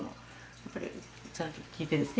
やっぱりちゃんと聞いてですね。